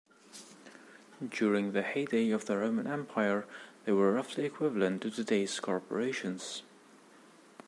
During the heyday of the Roman Empire, they were roughly equivalent to today's corporations.